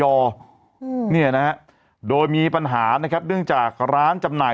เนี่ยนะฮะโดยมีปัญหานะครับเนื่องจากร้านจำหน่าย